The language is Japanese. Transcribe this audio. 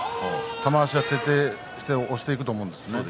玉鷲は徹底して押していくと思います。